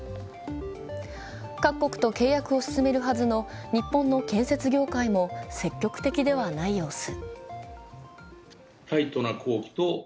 各国と契約を進めるはずの日本の建設業界も積極的ではない様子。